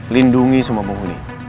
lindungi semua pembunuh ini